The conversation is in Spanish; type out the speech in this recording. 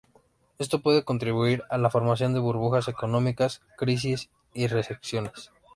Esto puede contribuir a la formación de burbujas económicas, crisis y recesiones.